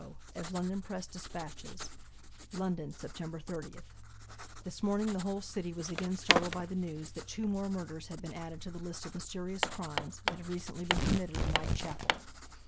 As London Press Dispatches London, Sept. 30. This morning the whole city was again startled by the news that two more murders had been added to the list of mysterious crimes that have recently been committed in Whitechapel.